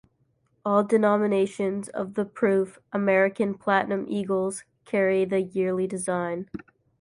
All denominations of the proof American Platinum Eagles carry the yearly design.